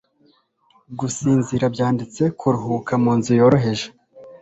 gusinzira byanditse kuruhuka munzu yoroheje